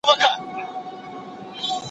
آیا ته کابل ته د سفر لپاره چمتووالی نیسې؟